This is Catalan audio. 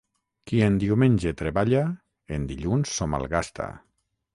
Qui en diumenge treballa, en dilluns s'ho malgasta.